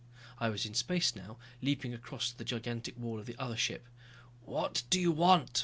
I was in space now, leaping across to the gigantic wall of the other ship. "What do you want?"